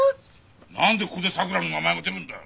何でここでさくらの名前が出るんだよ？